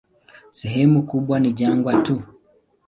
Sehemu kubwa ni jangwa tu.